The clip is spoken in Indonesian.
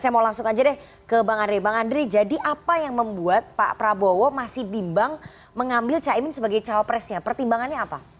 saya mau langsung aja deh ke bang andre bang andre jadi apa yang membuat pak prabowo masih bimbang mengambil caimin sebagai cawapresnya pertimbangannya apa